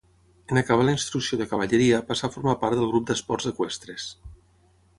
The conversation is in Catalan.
En acabar la instrucció de cavalleria passà a formar part del grup d'esports eqüestres.